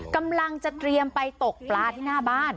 กำลังจะเตรียมไปตกปลาที่หน้าบ้าน